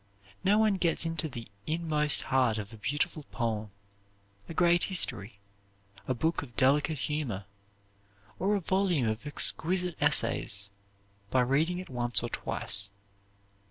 No one gets into the inmost heart of a beautiful poem, a great history, a book of delicate humor, or a volume of exquisite essays, by reading it once or twice.